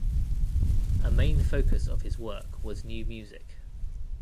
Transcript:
A main focus of his work was New Music.